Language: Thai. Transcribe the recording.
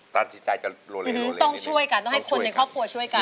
ตัดสินใจจะลนต้องช่วยกันต้องให้คนในครอบครัวช่วยกัน